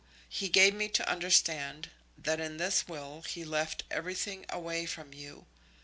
He gave me to understand that in this will he left everything away from you.